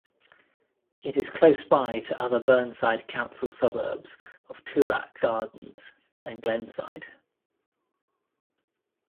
It is close by to other Burnside council suburbs of Toorak Gardens and Glenside.